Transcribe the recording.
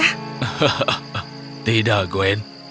hahaha tidak gwen